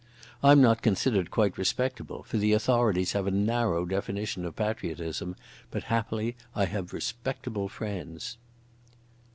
I'm not considered quite respectable, for the authorities have a narrow definition of patriotism, but happily I have respectable friends."